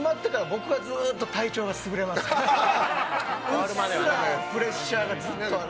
うっすらのプレッシャーがずっとある。